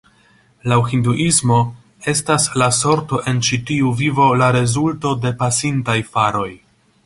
Laŭ Hinduismo estas la sorto en ĉi tiu vivo la rezulto de pasintaj faroj.